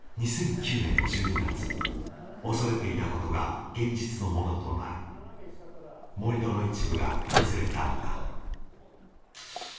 ２００９年１２月恐れていたことが現実のものとなる盛り土の一部が崩れたのだ